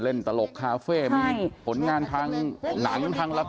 ตลกคาเฟ่มีผลงานทางหนังทางละคร